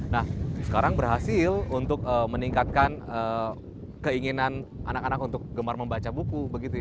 nah sekarang berhasil untuk meningkatkan keinginan anak anak untuk gemar membaca buku